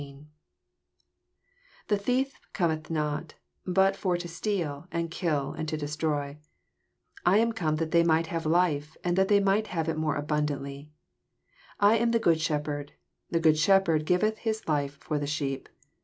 10 Tke thief oometh not, but for to ■teal, and to kill, and to destroy: I am oome that tiiey might have life, and that they might have it more abundant ly 11 I am the good diepherd: the good shepherd glveth his life for the dieep.